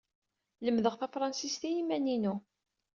Lemdeɣ tafṛensist i yiman-inu.